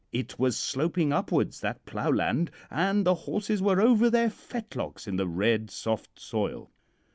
It was sloping upwards, that ploughland, and the horses were over their fetlocks in the red, soft soil.